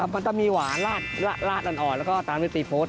มันต้องมีหวานลาดอ่อนแล้วก็ตามน้ำจิ้มสี่โฟส